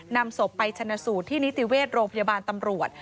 นำศพไปชนะสูตรที่นิติเวชโรงพยาบาลตำรวจ